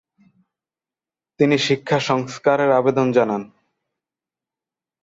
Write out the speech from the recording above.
তিনি শিক্ষা সংস্কারের আবেদন জানান।